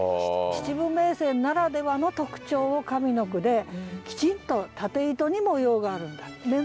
秩父銘仙ならではの特徴を上の句できちんと縦糸に模様があるんだと。